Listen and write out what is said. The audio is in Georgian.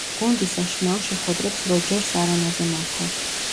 გუნდი საშინაო შეხვედრებს როჯერს არენაზე მართავს.